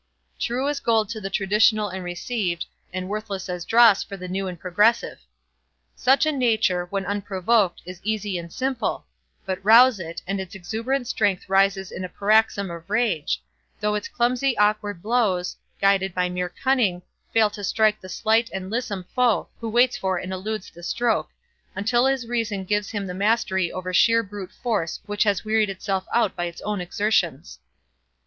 True as gold to the traditional and received, and worthless as dross for the new and progressive. Such a nature, when unprovoked, is easy and simple; but rouse it, and its exuberant strength rises in a paroxysm of rage, though its clumsy awkward blows, guided by mere cunning, fail to strike the slight and lissom foe who waits for and eludes the stroke, until his reason gives him the mastery over sheer brute force which has wearied itself out by its own exertions.